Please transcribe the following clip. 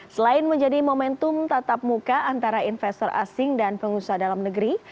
selain menjadi momentum tatap muka antara investor asing dan pengusaha dalam negeri